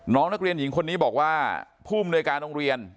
น้องนักเรียนหญิงคนนี้บอกว่าผู้อำนวยการโรงเรียน